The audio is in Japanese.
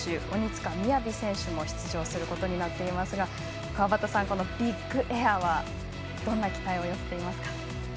鬼塚雅選手も出場することになっていますが川端さん、ビッグエアどんな期待を寄せていますか。